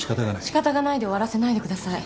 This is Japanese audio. しかたがないで終わらせないでください。